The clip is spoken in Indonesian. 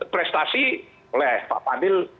prestasi oleh pak fadil